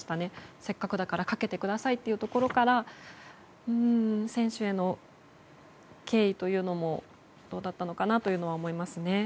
せっかくだからかけてくださいっていうところから選手への敬意というのもどうだったのかなというのは思いますね。